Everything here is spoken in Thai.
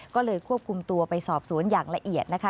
ก็เลยควบคุมตัวไปสอบสวนอย่างละเอียดนะคะ